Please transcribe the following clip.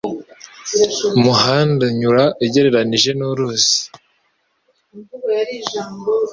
Umuhanda unyura ugereranije nuruzi